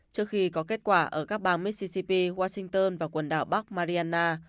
trước khi có kết quả ở các bang missicip washington và quần đảo bắc mariana